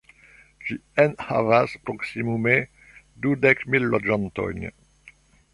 Ĝi enhavas proksimume dudek mil loĝantojn.